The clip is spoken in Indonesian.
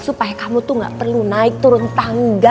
supaya kamu tuh gak perlu naik turun tangga